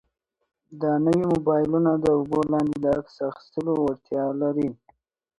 دا نوي موبایلونه د اوبو لاندې د عکس اخیستلو وړتیا لري.